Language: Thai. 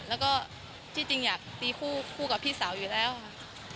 แล้วก็ที่จริงอยากตีคู่กับพี่สาวอยู่แล้วค่ะ